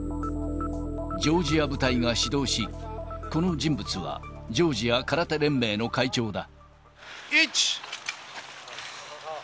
ジョージア部隊が指導し、この人物は、ジョージア空手連盟の会長だ。